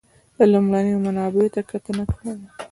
د لومړنیو منابعو ته کتنه کړې ده.